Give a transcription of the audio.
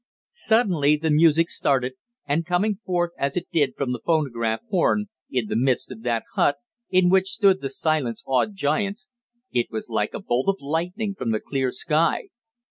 Suddenly the music started and, coming forth as it did from the phonograph horn, in the midst of that hut, in which stood the silence awed giants, it was like a bolt of lightning from the clear sky.